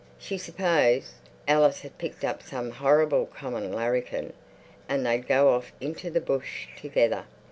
She supposed Alice had picked up some horrible common larrikin and they'd go off into the bush together.